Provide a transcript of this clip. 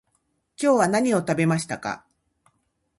今日は何を食べましたか？